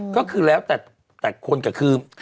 ก็คือแล้วแต่คนก็คือ